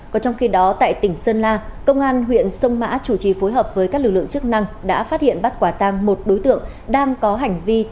còn trong khi đó tại tỉnh sơn la công an huyện sông mã chủ trì phối hợp với các lực lượng chức năng đã phát hiện bắt quả tang một đối tượng đang có hành vi